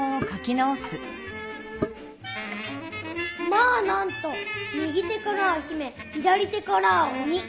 「まあなんと右手からは姫左手からはおに」。